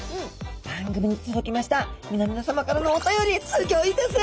番組に届きました皆々さまからのお便りすギョいです。